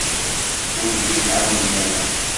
Ur d-iyi-tɛawnem ara.